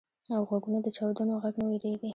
غوږونه د چاودنو غږ نه وېریږي